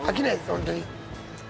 本当に。